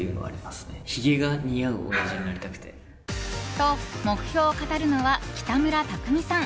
と、目標を語るのは北村匠海さん。